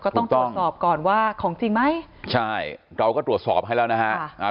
ต้องตรวจสอบก่อนว่าของจริงไหมใช่เราก็ตรวจสอบให้แล้วนะฮะ